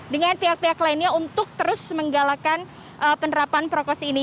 dengan pihak pihak lainnya untuk terus menggalakan penerapan prokos ini